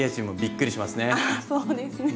あそうですね。